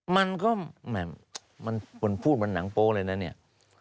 มันก็แหม่มมันพูดเหมือนหนังโป๊เลยนะเนี่ย